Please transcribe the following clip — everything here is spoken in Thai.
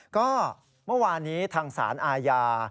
ก็เมื่อวานนี้ทางศาลอาญา